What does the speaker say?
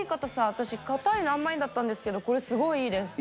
私硬いのあんまりだったんですけどこれすごいいいです。